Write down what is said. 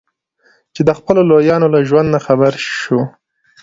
چې د خپلو لویانو له ژوند نه خبر شو.